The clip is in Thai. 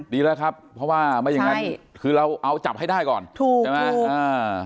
ดีแล้วครับเพราะว่าไม่อย่างนั้นคือเราเอาจับให้ได้ก่อนถูกใช่ไหมอ่า